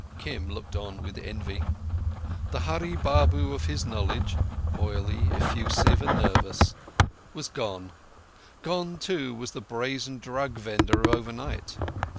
Kim looked on with envy. The Hurree Babu of his knowledge—oily, effusive, and nervous—was gone; gone, too, was the brazen drug vendor of overnight.